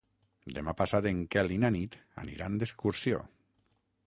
Demà passat en Quel i na Nit aniran d'excursió.